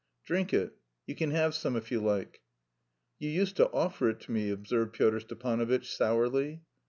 "Drink it. You can have some if you like." "You used to offer it to me," observed Pyotr Stepanovitch sourly.